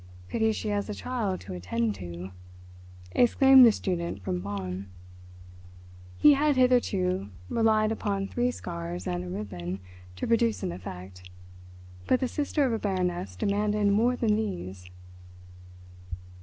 "Pity she has the child to attend to," exclaimed the student from Bonn. He had hitherto relied upon three scars and a ribbon to produce an effect, but the sister of a Baroness demanded more than these.